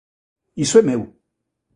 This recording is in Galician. Iso é meu!